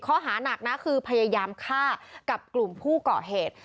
ข้อหานักนะคือพยายามฆ่ากับกลุ่มผู้เกาะเหตุ